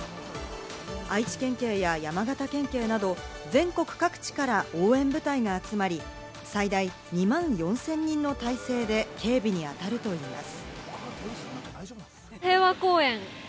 愛知県警や山形県警など、全国各地から応援部隊が集まり、最大２万４０００人の態勢で警備にあたるといいます。